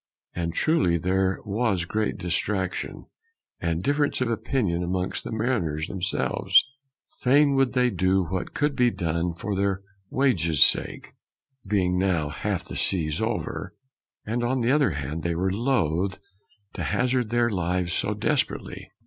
And truly ther was great distraction and differance of oppinion amongst the mariners them selves ; faine would they doe what could be done for their wages sake, (being now halfe the seas over,) and on the other hand they were loath to hazard their lives too desperatly.